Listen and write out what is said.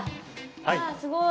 わあすごい。